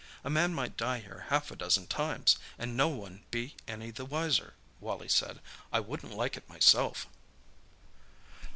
"A man might die here half a dozen times, and no one be any the wiser," Wally said. "I wouldn't like it myself."